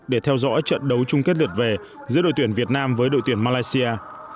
để theo dõi trận đấu chung kết lượt về giữa đội tuyển việt nam với đội tuyển malaysia